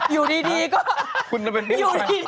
อยู่ดีก็อยู่ดี